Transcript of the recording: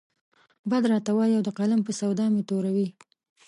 بد راته وايي او د قلم په سودا مې توره وي.